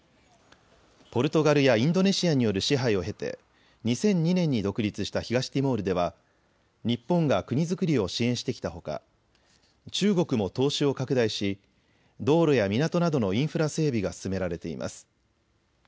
ポルトガルやインドネシアによる支配を経て２００２年に独立した東ティモールでは日本が国づくりを支援してきたほか、中国も投資を拡大し道路や港などのインフラ整備が進められています。